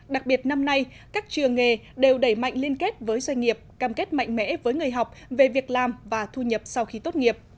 đặc biệt năm nay các trường nghề đều đẩy mạnh liên kết với doanh nghiệp cam kết mạnh mẽ với người học về việc làm và thu nhập sau khi tốt nghiệp